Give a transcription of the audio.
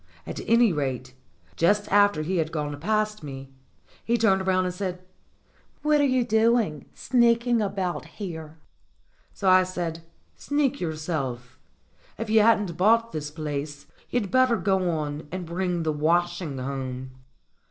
At any rate, just after he had gone past me, he turned round and said: "What are you doing, sneaking about here ?" So I said : "Sneak yourself. If you haven't bought this place, you'd better go on and bring the washing home."